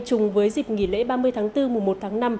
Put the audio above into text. chung với dịp nghỉ lễ ba mươi tháng bốn mùa một tháng năm